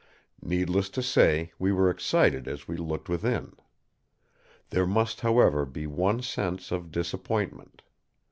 Needless to say, we were excited as we looked within. There must, however, be one sense of disappointment.